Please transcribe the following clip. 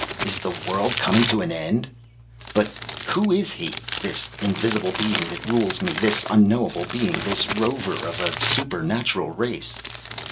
Is the world coming to an end? But who is he, this invisible being that rules me? This unknowable being, this rover of a supernatural race?